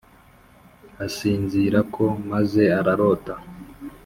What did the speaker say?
asinzirirako maze ararota